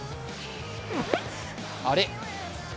あれ？